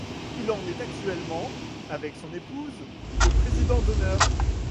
Il en est actuellement, avec son épouse, le président d'honneur.